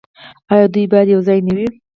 آیا دوی باید یوځای نه وي؟